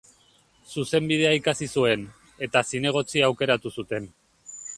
Zuzenbidea ikasi zuen, eta zinegotzi aukeratu zuten.